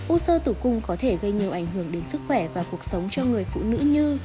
u sơ tử cung có thể gây nhiều ảnh hưởng đến sức khỏe và cuộc sống cho người phụ nữ như